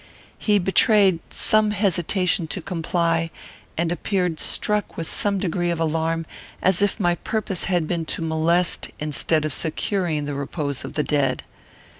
He betrayed some hesitation to comply, and appeared struck with some degree of alarm, as if my purpose had been to molest, instead of securing, the repose of the dead.